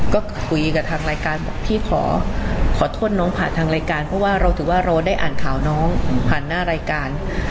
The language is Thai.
ก็คุยกับทางรายการบอกพี่ขอโทษน้องผ่านทางรายการเพราะว่าเราถือว่าเราได้อ่านข่าวน้องผ่านหน้ารายการ